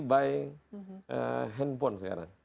by handphone sekarang